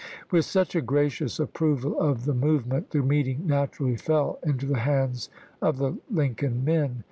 With such a gracious approval of the movement, the meeting naturally fell into the hands of the Lincoln men.